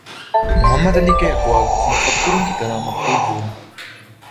محمد علی کے اقوال مفکروں کی طرح مقبول ہوئے